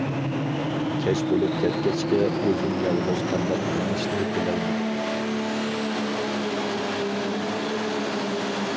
كەچ بولۇپ كەتكەچكە ئۆزۈم يالغۇز قانداق مېڭىشنى بىلەلمىدىم.